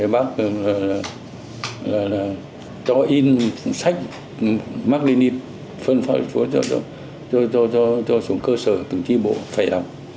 bác cho in sách mắc lên in phân phát xuống cơ sở từng chi bộ phải đọc